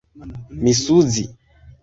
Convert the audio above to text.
misuzi